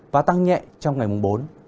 và tăng nhẹ trong ngày mùng bốn